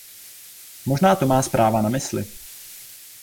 Možná to má zpráva na mysli.